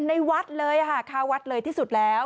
ในวัดเลยค่ะคาวัดเลยที่สุดแล้ว